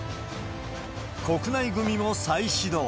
国内組も再始動。